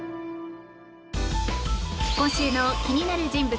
今週の気になる人物